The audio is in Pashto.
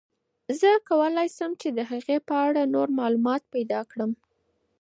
زه کولای شم چې د هغې په اړه نور معلومات پیدا کړم.